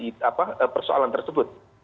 ada persoalan tersebut